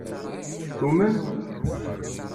Tumen?